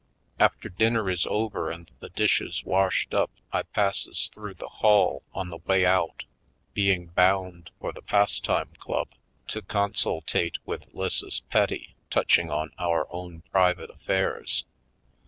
After dinner is over and the dishes washed up I passes through the hall on the way out, being bound for the Pastime Club to con sultate with ^Lisses Petty touching on our own private affairs.